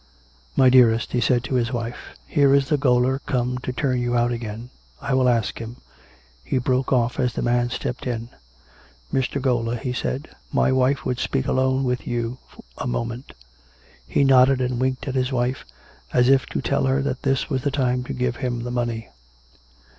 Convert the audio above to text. " My dearest," he said to his wife, " here is the gaoler come to turn you out again. I will ask him " He broke off as the man stepped in. " Mr. Gaoler," he said, " my wife would speak alone with you a moment." (He nodded and winked at his wife, as if to tell her that this was the time to give him the money.)